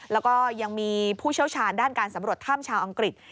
แล้วก็ยังมีผู้เชี่ยวชาญด้านการสำรวจถ้ำชาวอังกฤษ